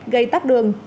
gây tắt đường